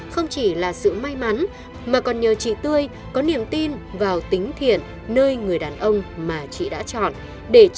không chỉ là sự may mắn mà còn nhờ chị tươi có niềm tin vào tính thiện nơi người đàn ông mà chị đã chọn để trao gửi đời mình